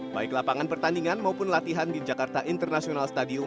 baik lapangan pertandingan maupun latihan di jakarta international stadium